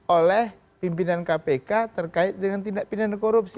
oleh pimpinan kpk terkait dengan tindak pidana korupsi